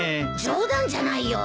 冗談じゃないよ。